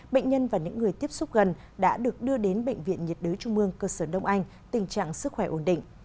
bệnh nhân và những người tiếp xúc gần đã được đưa đến bệnh viện nhiệt đới trung mương cơ sở đông anh tình trạng sức khỏe ổn định